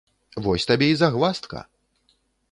Вось табе і загваздка!